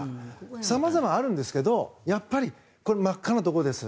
様々あるんですが、やっぱりこの真っ赤なところです。